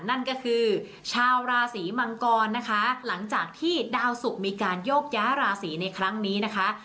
นั่นก็คือชาวราศีมังกรนะคะหลังจากที่ดาวสุกมีการโยกย้าราศีในครั้งนี้นะคะ